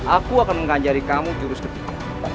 aku akan mengajari kamu jurus kedua